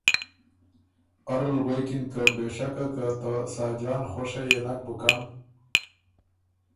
اره ل غوېکِن که ”بې شکه که ته ساجان خؤشه يې نک بُکن